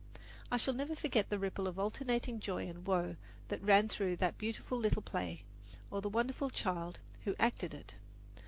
I shall never forget the ripple of alternating joy and woe that ran through that beautiful little play, or the wonderful child who acted it.